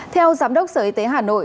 theo giám đốc sở y tế hà nội